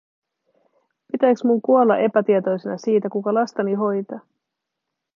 Pitääks mun kuolla epätietoisena siitä, kuka lastani hoitaa?